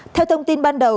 theo thông tin ban đầu